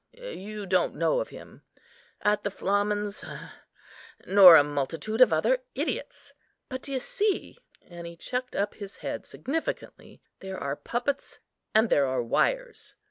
you don't know of him) at the Flamen's, nor a multitude of other idiots. But, d'ye see," and he chucked up his head significantly, "there are puppets, and there are wires.